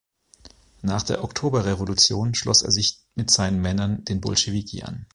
Nach der Oktoberrevolution schloss er sich mit seinen Männern den Bolschewiki an.